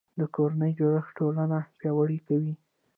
د کورنۍ جوړښت ټولنه پیاوړې کوي